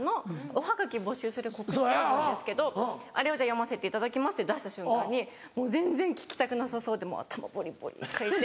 おはがき募集する告知読むんですけどあれを「じゃあ読ませていただきます」って出した瞬間に全然聞きたくなさそうでもう頭ボリボリかいて。